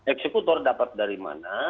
eksekutor dapat dari mana